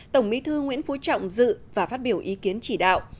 tổng bí thư nguyễn phú trọng dự và phát biểu ý kiến chỉ đạo